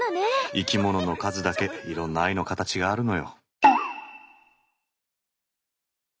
生きものの数だけいろんな愛の形があるのよ。